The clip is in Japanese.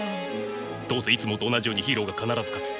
どうせいつもと同じようにヒーローが必ず勝つ。